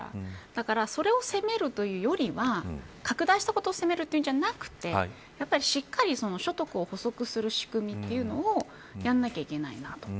だからそれを責めるというよりは拡大したことを責めるわけではなくてしっかり所得を補足する仕組みというのをやらなきゃいけないなと。